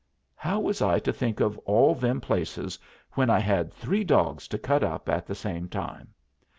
How was I to think of all them places when I had three dogs to cut up at the same time?